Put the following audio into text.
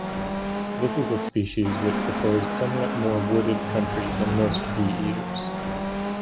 This is a species which prefers somewhat more wooded country than most bee-eaters.